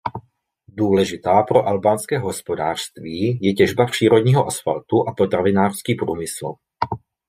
Důležitá pro albánské hospodářství je těžba přírodního asfaltu a potravinářský průmysl.